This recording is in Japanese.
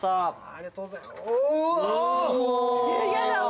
ありがとうございますお！